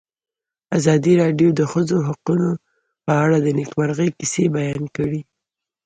ازادي راډیو د د ښځو حقونه په اړه د نېکمرغۍ کیسې بیان کړې.